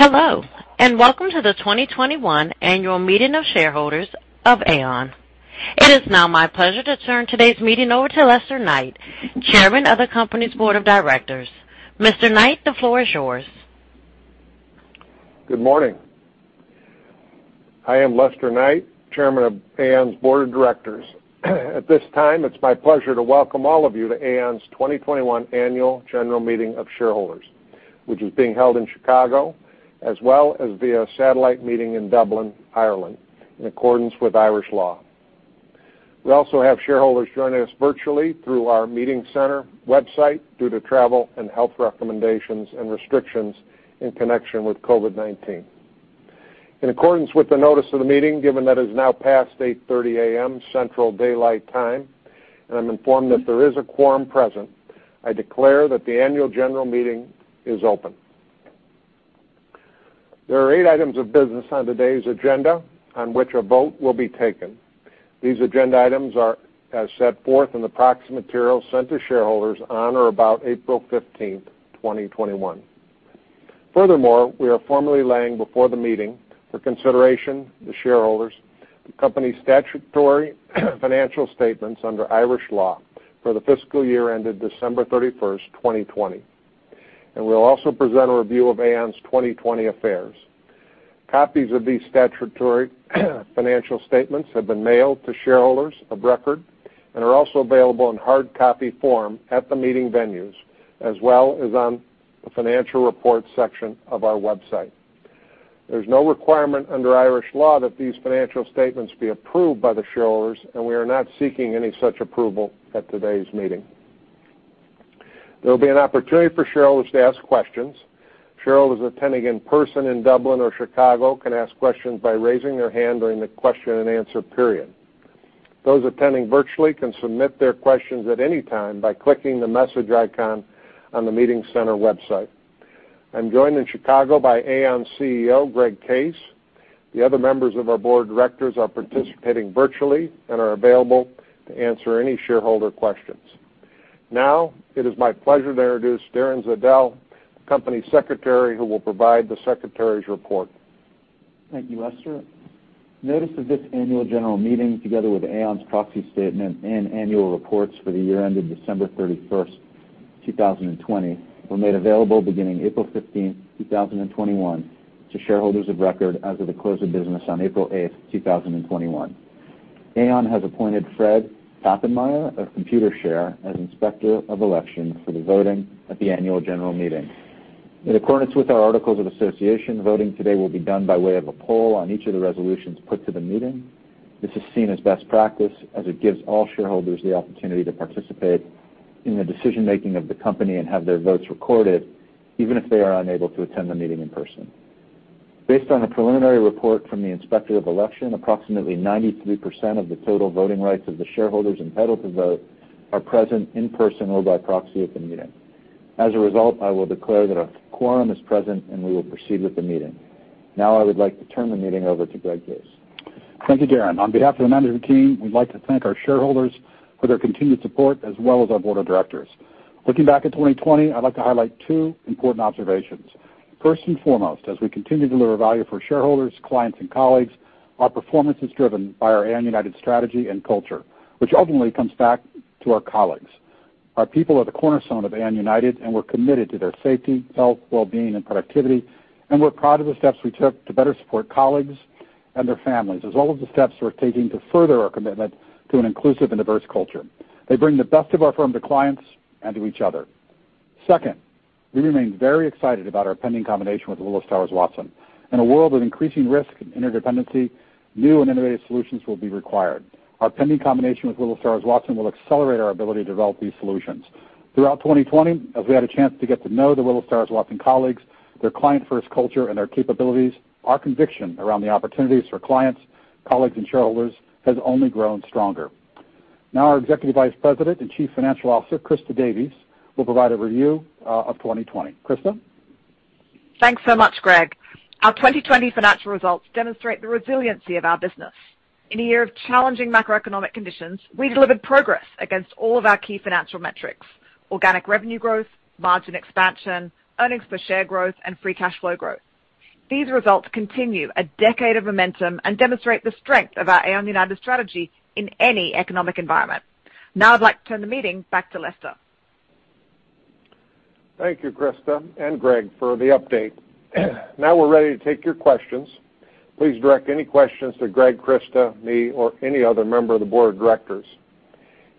Hello, welcome to the 2021 Annual Meeting of Shareholders of Aon. It is now my pleasure to turn today's meeting over to Lester Knight, Chairman of the company's Board of Directors. Mr. Knight, the floor is yours. Good morning. I am Lester Knight, Chairman of Aon's Board of Directors. At this time, it's my pleasure to welcome all of you to Aon's 2021 Annual General Meeting of Shareholders, which is being held in Chicago, as well as via satellite meeting in Dublin, Ireland, in accordance with Irish law. We also have shareholders joining us virtually through our meeting center website due to travel and health recommendations and restrictions in connection with COVID-19. In accordance with the notice of the meeting, given that it is now past 8:30 A.M. Central Daylight Time, I'm informed that there is a quorum present, I declare that the annual general meeting is open. There are eight items of business on today's agenda on which a vote will be taken. These agenda items are as set forth in the proxy material sent to shareholders on or about April 15, 2021. Furthermore, we are formally laying before the meeting for consideration the shareholders, the company's statutory financial statements under Irish law for the fiscal year ended December 31, 2020. We'll also present a review of Aon's 2020 affairs. Copies of these statutory financial statements have been mailed to shareholders of record and are also available in hard copy form at the meeting venues, as well as on the financial report section of our website. There's no requirement under Irish law that these financial statements be approved by the shareholders, we are not seeking any such approval at today's meeting. There will be an opportunity for shareholders to ask questions. Shareholders attending in person in Dublin or Chicago can ask questions by raising their hand during the question and answer period. Those attending virtually can submit their questions at any time by clicking the message icon on the meeting center website. I'm joined in Chicago by Aon CEO Greg Case. The other members of our Board of Directors are participating virtually and are available to answer any shareholder questions. Now it is my pleasure to introduce Darren Zeidel, the Company Secretary, who will provide the secretary's report. Thank you, Lester. Notice of this annual general meeting together with Aon's proxy statement and annual reports for the year ended December 31, 2020, were made available beginning April 15, 2021 to shareholders of record as of the close of business on April 8, 2021. Aon has appointed Fred Papenmeier of Computershare as Inspector of Election for the voting at the annual general meeting. In accordance with our articles of association, voting today will be done by way of a poll on each of the resolutions put to the meeting. This is seen as best practice as it gives all shareholders the opportunity to participate in the decision-making of the company and have their votes recorded, even if they are unable to attend the meeting in person. Based on a preliminary report from the Inspector of Election, approximately 93% of the total voting rights of the shareholders entitled to vote are present in person or by proxy at the meeting. I will declare that a quorum is present, and we will proceed with the meeting. I would like to turn the meeting over to Greg Case. Thank you, Darren. On behalf of the management team, we'd like to thank our shareholders for their continued support as well as our board of directors. Looking back at 2020, I'd like to highlight two important observations. First and foremost, as we continue to deliver value for shareholders, clients, and colleagues, our performance is driven by our Aon United strategy and culture, which ultimately comes back to our colleagues. Our people are the cornerstone of Aon United, and we're committed to their safety, health, well-being, and productivity. We're proud of the steps we took to better support colleagues and their families, as all of the steps we're taking to further our commitment to an inclusive and diverse culture. They bring the best of our firm to clients and to each other. Second, we remain very excited about our pending combination with Willis Towers Watson. In a world of increasing risk and interdependency, new and innovative solutions will be required. Our pending combination with Willis Towers Watson will accelerate our ability to develop these solutions. Throughout 2020, as we had a chance to get to know the Willis Towers Watson colleagues, their client-first culture, and their capabilities, our conviction around the opportunities for clients, colleagues, and shareholders has only grown stronger. Our Executive Vice President and Chief Financial Officer, Christa Davies, will provide a review of 2020. Christa. Thanks so much, Greg. Our 2020 financial results demonstrate the resiliency of our business. In a year of challenging macroeconomic conditions, we delivered progress against all of our key financial metrics: organic revenue growth, margin expansion, earnings per share growth, and free cash flow growth. These results continue a decade of momentum and demonstrate the strength of our Aon United strategy in any economic environment. Now I'd like to turn the meeting back to Lester. Thank you, Christa and Greg, for the update. Now we're ready to take your questions. Please direct any questions to Greg, Christa, me, or any other member of the board of directors.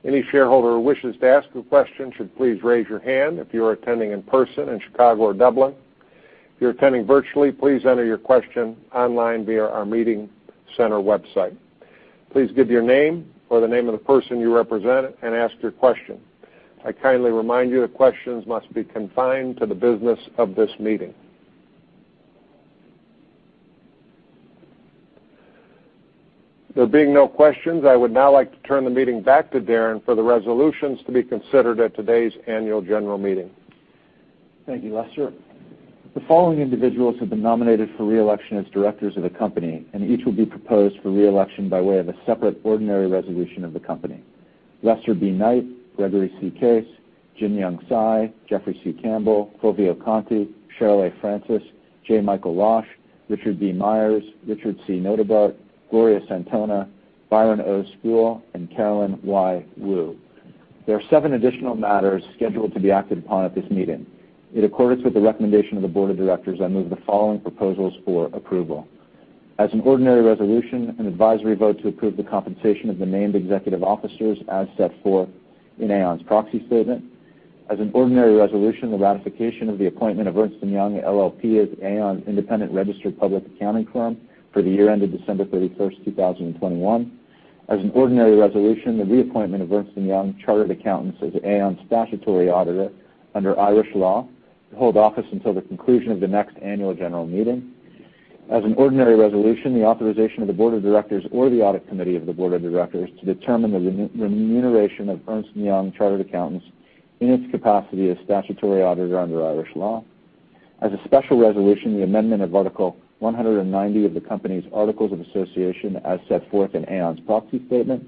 Any shareholder who wishes to ask a question should please raise your hand if you are attending in person in Chicago or Dublin. If you're attending virtually, please enter your question online via our meeting center website. Please give your name or the name of the person you represent and ask your question. I kindly remind you that questions must be confined to the business of this meeting. There being no questions, I would now like to turn the meeting back to Darren for the resolutions to be considered at today's annual general meeting. Thank you, Lester. The following individuals have been nominated for reelection as directors of the company, and each will be proposed for reelection by way of a separate ordinary resolution of the company Lester B. Knight, Gregory C. Case, Jin-Yong Cai, Jeffrey C. Campbell, Fulvio Conti, Cheryl A. Francis, J. Michael Losh, Richard B. Myers, Richard C. Notebaert, Gloria Santona, Byron O. Spruell, and Carolyn Y. Woo. There are seven additional matters scheduled to be acted upon at this meeting. In accordance with the recommendation of the board of directors, I move the following proposals for approval. As an ordinary resolution, an advisory vote to approve the compensation of the named executive officers as set forth in Aon's proxy statement. As an ordinary resolution, the ratification of the appointment of Ernst & Young LLP as Aon's independent registered public accounting firm for the year ended December 31st, 2021. As an ordinary resolution, the reappointment of Ernst & Young Chartered Accountants as Aon statutory auditor under Irish law to hold office until the conclusion of the next annual general meeting. As an ordinary resolution, the authorization of the board of directors or the audit committee of the board of directors to determine the remuneration of Ernst & Young Chartered Accountants in its capacity as statutory auditor under Irish law. As a special resolution, the amendment of Article 190 of the company's articles of association as set forth in Aon's proxy statement.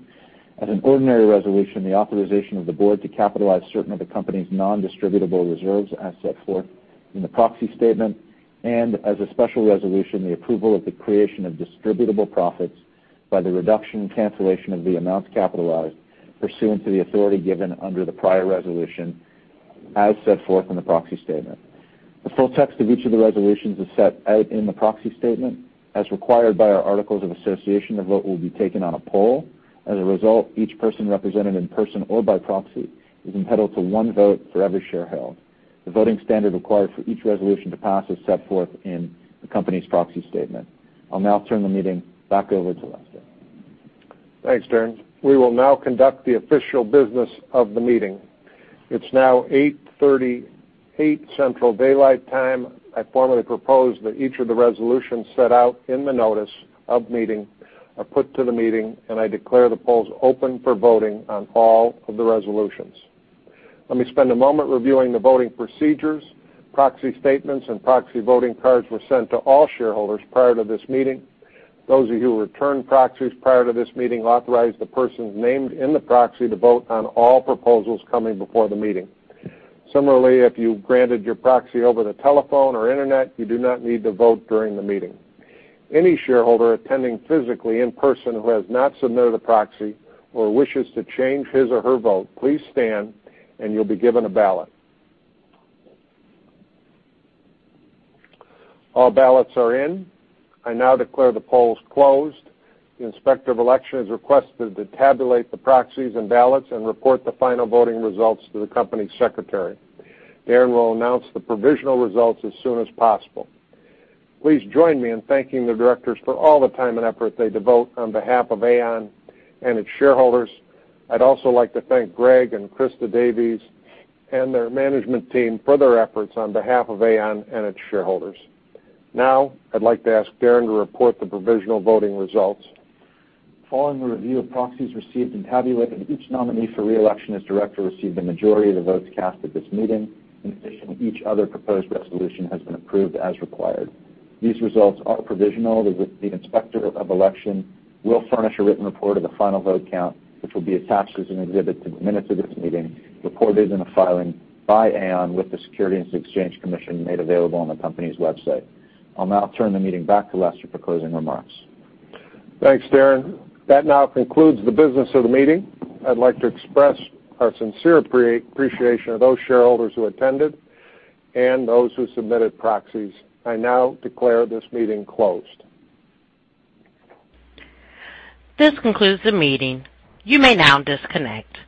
As an ordinary resolution, the authorization of the board to capitalize certain of the company's non-distributable reserves as set forth in the proxy statement. As a special resolution, the approval of the creation of distributable profits by the reduction and cancellation of the amounts capitalized pursuant to the authority given under the prior resolution as set forth in the proxy statement. The full text of each of the resolutions is set out in the proxy statement. As required by our articles of association, the vote will be taken on a poll. As a result, each person represented in person or by proxy is entitled to one vote for every share held. The voting standard required for each resolution to pass is set forth in the company's proxy statement. I'll now turn the meeting back over to Lester. Thanks, Darren. We will now conduct the official business of the meeting. It's now 8:38 Central Daylight Time. I formally propose that each of the resolutions set out in the notice of meeting are put to the meeting, and I declare the polls open for voting on all of the resolutions. Let me spend a moment reviewing the voting procedures. Proxy statements and proxy voting cards were sent to all shareholders prior to this meeting. Those of you who returned proxies prior to this meeting authorized the persons named in the proxy to vote on all proposals coming before the meeting. Similarly, if you granted your proxy over the telephone or internet, you do not need to vote during the meeting. Any shareholder attending physically in person who has not submitted a proxy or wishes to change his or her vote, please stand and you'll be given a ballot. All ballots are in. I now declare the polls closed. The inspector of election is requested to tabulate the proxies and ballots and report the final voting results to the company secretary. Darren will announce the provisional results as soon as possible. Please join me in thanking the directors for all the time and effort they devote on behalf of Aon and its shareholders. I'd also like to thank Greg and Christa Davies and their management team for their efforts on behalf of Aon and its shareholders. I'd like to ask Darren to report the provisional voting results. Following the review of proxies received and tabulated, each nominee for reelection as director received a majority of the votes cast at this meeting. In addition, each other proposed resolution has been approved as required. These results are provisional. The inspector of election will furnish a written report of the final vote count, which will be attached as an exhibit to the minutes of this meeting, reported in a filing by Aon with the Securities and Exchange Commission made available on the company's website. I'll now turn the meeting back to Lester for closing remarks. Thanks, Darren. That now concludes the business of the meeting. I'd like to express our sincere appreciation of those shareholders who attended and those who submitted proxies. I now declare this meeting closed. This concludes the meeting. You may now disconnect.